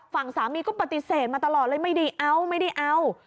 ฝั่งสามีก็ปฏิเสธมาตลอดเลยไม่ได้เอาไม่ได้เอา